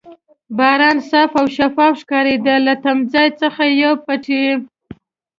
باران صاف او شفاف ښکارېده، له تمځای څخه یو پېټی.